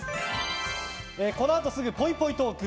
このあとすぐ、ぽいぽいトーク。